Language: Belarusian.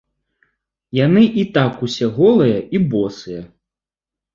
Яны і так ўсе голыя і босыя.